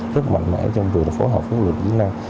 rất mạnh mẽ trong việc phối hợp với lực lượng chức năng